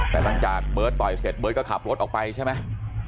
แต่หลังจากเบิร์ตต่อยเสร็จเบิร์ตก็ขับรถออกไปใช่ไหม